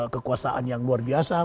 kekuasaan yang luar biasa